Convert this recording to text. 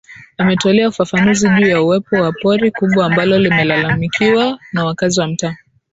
Ametolea ufafanuzi juu ya uwepo wa pori kubwa ambalo limelalamikiwa na wakazi wa mtaa